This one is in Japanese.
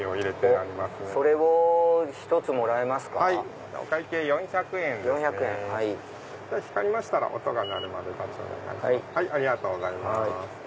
ありがとうございます。